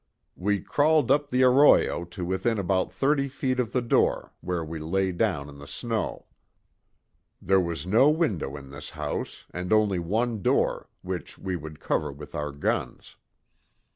We crawled up the arroyo to within about thirty feet of the door, where we lay down in the snow. There was no window in this house, and only one door, which we would cover with our guns.